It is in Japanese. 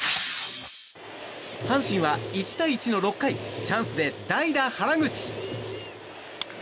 阪神は１対１の６回チャンスで代打、原口。